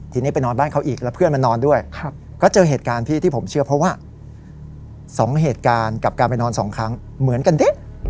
ทีนี้ไปนอนบ้านเขาอีกแล้วเพื่อนมานอนด้วยก็เจอเหตุการณ์ที่ผมเชื่อเพราะว่า๒เหตุการณ์กับการไปนอน๒ครั้งเหมือนกันดิ